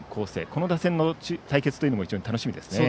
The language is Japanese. この打線との対決というのも非常に楽しみですね。